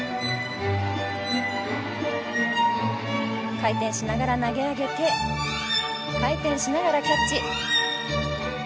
回転しながら投げ上げて、回転しながらキャッチ。